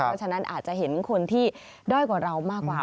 เพราะฉะนั้นอาจจะเห็นคนที่ด้อยกว่าเรามากกว่า